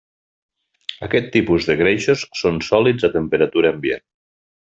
Aquest tipus de greixos són sòlids a temperatura ambient.